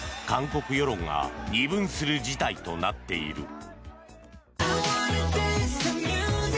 韓国世論が二分する事態となっている。